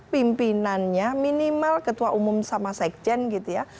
pimpinannya minimal ketua umum sama sekjen gitu ya